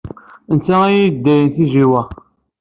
D netta ay ileddyen tizewwa.